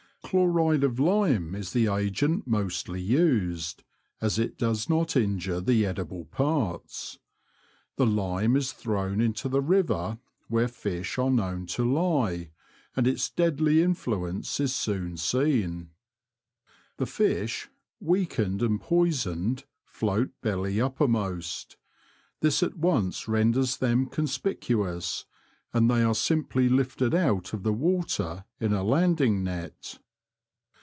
Chloride of lime is the agent mostly used, as it does not injure the edible parts. The lime is thrown into the river where fish are known to lie, and its deadly influence is soon seen. The fish, weakened and poisoned, float belly uppermost. This at once renders them con spicuous, and they are simply lifted out of the water in a landing net.